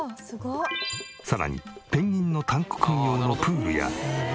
さらにペンギンのタンク君用のプールや。